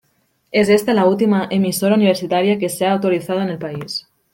Es esta la última emisora universitaria que se ha autorizado en el país.